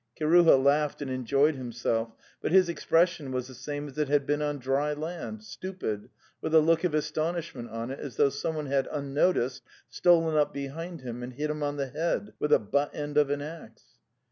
Kiruha laughed and enjoyed himself, but his ex pression was the same as it had been on dry land, stupid, with a look of astonishment on it as though someone had, unnoticed, stolen up behind him and hit him on the head with the butt end of an axe.